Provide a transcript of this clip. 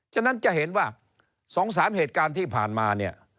ฉะนั้นจะเห็นว่า๒๓เหตุการณ์ที่ผ่านมาเนี่ย